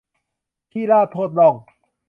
ขี้ราดโทษล่อง